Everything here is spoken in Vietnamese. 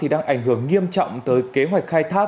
đang ảnh hưởng nghiêm trọng tới kế hoạch khai thác